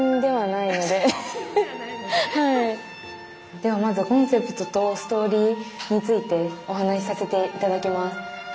ではまずコンセプトとストーリーについてお話しさせて頂きます。